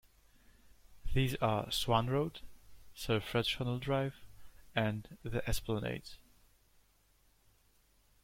These are Swann Road, Sir Fred Schonell Drive and The Esplanade.